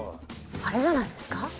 あれじゃないですか？